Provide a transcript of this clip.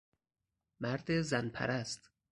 مرد زن پرست